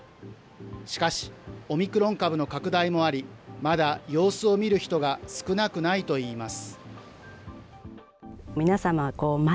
しかし、オミクロン株の拡大もあり、まだ様子を見る人が少なくないといいます。